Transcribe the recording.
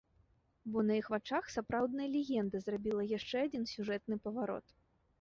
Бо на іх вачах сапраўдная легенда зрабіла яшчэ адзін сюжэтны паварот.